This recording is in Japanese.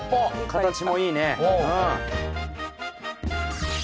形もいいね。